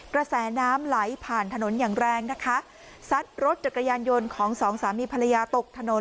กระแสน้ำไหลผ่านถนนอย่างแรงนะคะซัดรถจักรยานยนต์ของสองสามีภรรยาตกถนน